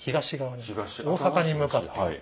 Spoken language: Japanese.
大坂に向かってる。